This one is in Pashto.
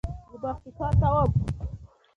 زه باغ کې کار کوم